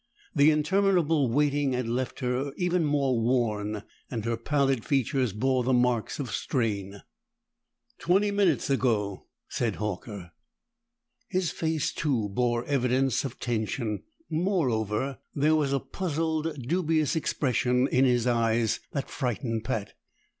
The interminable waiting had left her even more worn, and her pallid features bore the marks of strain. "Twenty minutes ago," said Horker. His face too bore evidence of tension; moreover, there was a puzzled, dubious expression in his eyes that frightened Pat.